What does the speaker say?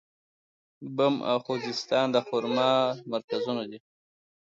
بم او خوزستان د خرما مرکزونه دي.